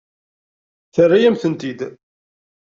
Terra-yam-tent-id.